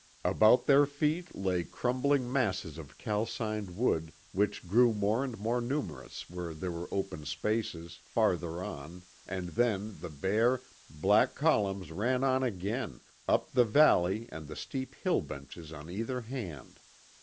About their feet lay crumbling masses of calcined wood which grew more and more numerous where there were open spaces farther on and then the bare, black columns ran on again, up the valley and the steep hill benches on either hand.